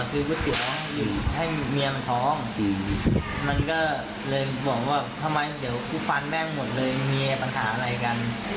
คือใครก็บอกฉันว่าว่าทำไมเดี๋ยวกูฟันแม่งหมดมีปัญหาอะไรกัน